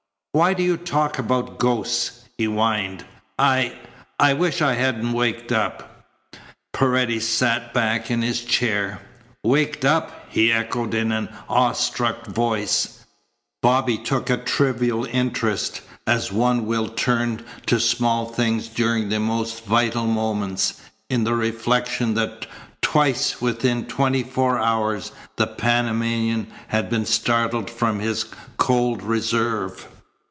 "Why do you talk about ghosts?" he whined. "I I wish I hadn't waked up." Paredes sank back in his chair. "Waked up!" he echoed in an awe struck voice. Bobby took a trivial interest, as one will turn to small things during the most vital moments, in the reflection that twice within twenty four hours the Panamanian had been startled from his cold reserve.